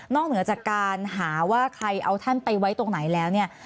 เหนือจากการหาว่าใครเอาท่านไปไว้ตรงไหนแล้วเนี่ย